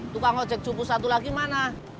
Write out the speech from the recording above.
tukang ojek jupus satu lagi mana